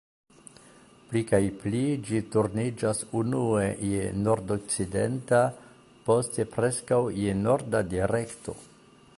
Pli kaj pli ĝi turniĝas unue je nordokcidenta, poste preskaŭ je norda direkto.